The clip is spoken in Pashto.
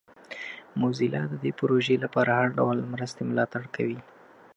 موزیلا د دې پروژې لپاره د هر ډول مرستې ملاتړ کوي.